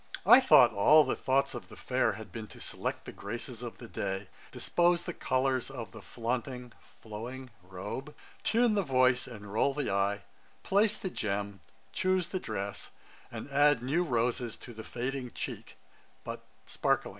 I thought all the thoughts of the fair had been to select the graces of the day, dispose the colours of the flaunting (flowing) robe, tune the voice and roll the eye, place the gem, choose the dress, and add new roses to the fading cheek, but sparkling.'